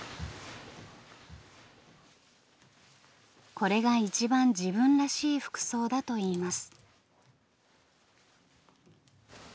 これが一番自分らしい服装だといいます。